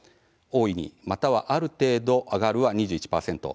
「大いに」または「ある程度上がる」は２１％。